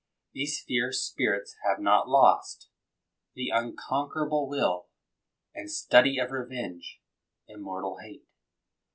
These fierce spirits have not lost "The unconquerable will, And study of revenge, immortal hate.'